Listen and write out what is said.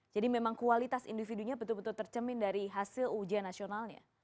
jadi memang kualitas individunya betul betul tercermin dari hasil ujian nasionalnya